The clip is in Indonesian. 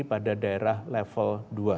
pada daerah level dua